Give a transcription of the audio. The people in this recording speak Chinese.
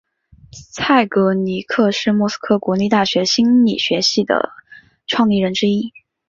蔡格尼克是莫斯科国立大学心理学系的创立人之一。